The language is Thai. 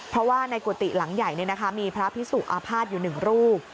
เพราะว่าในกุฏิหลังใหญ่มีพระพิสุอาภาษณ์อยู่๑รูป